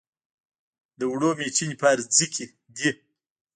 د اوړو میچنې په هر ځای کې دي.